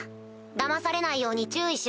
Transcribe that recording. だまされないように注意しろ。